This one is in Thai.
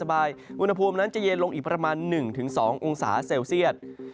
อุณหภูมินั้นจะเย็นลงอีกประมาณ๑๒องศาเซลเซียต